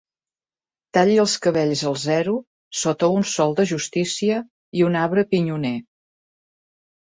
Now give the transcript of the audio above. Talli els cabells al zero sota un sol de justícia i un arbre pinyoner.